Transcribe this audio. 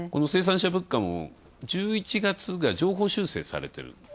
生産者物価も１１月が上方修正されている。